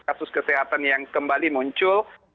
kasus kesehatan yang kembali muncul